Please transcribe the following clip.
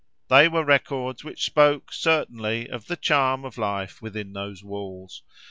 They were records which spoke, certainly, of the charm of life within those walls.